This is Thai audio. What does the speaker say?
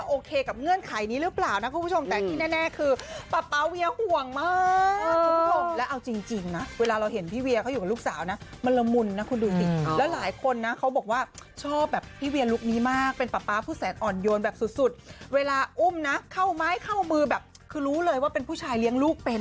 โอเคกับเงื่อนไขนี้หรือเปล่านะคุณผู้ชมแต่ที่แน่คือป๊าป๊าเวียห่วงมากคุณผู้ชมแล้วเอาจริงนะเวลาเราเห็นพี่เวียเขาอยู่กับลูกสาวนะมันละมุนนะคุณดูสิแล้วหลายคนนะเขาบอกว่าชอบแบบพี่เวียลุคนี้มากเป็นป๊าป๊าผู้แสนอ่อนโยนแบบสุดเวลาอุ้มนะเข้าไม้เข้ามือแบบคือรู้เลยว่าเป็นผู้ชายเลี้ยงลูกเป็น